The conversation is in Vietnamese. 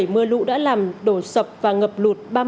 mưa lụ đã làm đổ sập và ngập lụt